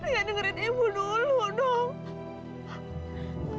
ya dengerin ibu dulu dong